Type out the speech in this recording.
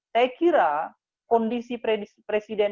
saya kira kondisi presidennya